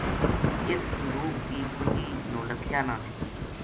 اس صندوق کی کنجی نو لکھیا نا دیتی